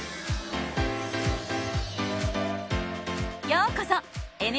ようこそ！